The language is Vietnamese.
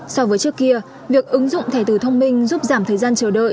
so với trước kia việc ứng dụng thẻ từ thông minh giúp giảm thời gian chờ đợi